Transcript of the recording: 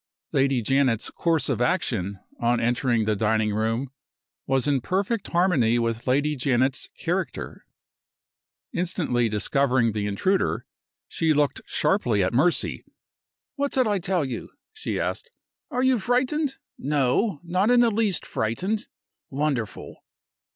Lady Janet's course of action on entering the dining room was in perfect harmony with Lady Janet's character. Instantly discovering the intruder, she looked sharply at Mercy. "What did I tell you?" she asked. "Are you frightened? No! not in the least frightened! Wonderful!"